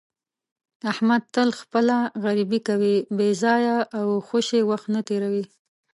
احمد تل خپله غریبي کوي، بې ځایه او خوشې وخت نه تېروي.